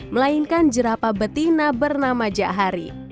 melainkan jerapa betina bernama jahari